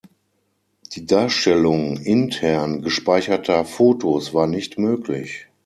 Die Darstellung intern gespeicherter Fotos war nicht möglich.